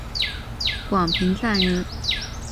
广平酂人。